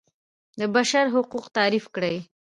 د بشر حقونه تعریف کړي.